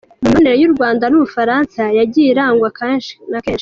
Mu mibanire y’u Rwanda n’Ubufuransa yagiye irangwa kenshi na kenshi